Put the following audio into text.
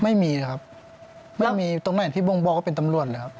ไม่มีครับไม่มีตรงไหนที่บ่งบอกว่าเป็นตำรวจเลยครับ